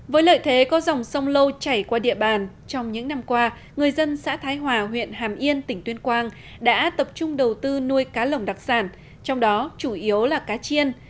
với lợi thế có dòng sông lâu chảy qua địa bàn trong những năm qua người dân xã thái hòa huyện hàm yên tỉnh tuyên quang đã tập trung đầu tư nuôi cá lồng đặc sản trong đó chủ yếu là cá chiên